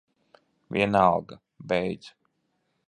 Vienalga. Beidz.